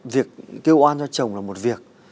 việc kêu oan cho chồng là một việc